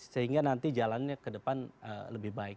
sehingga nanti jalannya kedepan lebih baik